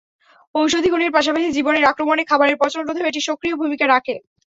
ঔষধি গুণের পাশাপাশি জীবাণুর আক্রমণে খাবারের পচন রোধেও এটি সক্রিয় ভূমিকা রাখে।